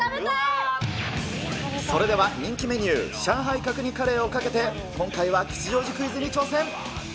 それでは人気メニュー、上海角煮カレーをかけて、今回は吉祥寺クイズに挑戦。